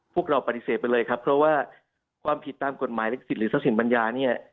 พวกเราปฏิเสธไปเลยครับเพราะว่าความผิดตามกฎหมายลิขสิทธิทรัพย์สินปัญญาเนี่ย